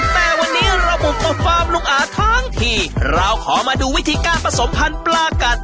แต่วันนี้เราบุกมาฟาร์มลุงอาทั้งทีเราขอมาดูวิธีการผสมพันธุ์ปลากัด